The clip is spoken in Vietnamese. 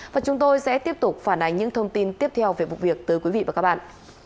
và chúng tôi sẽ tiếp tục phản ánh những thông tin tiếp theo về vụ việc tới quý vị và các bạn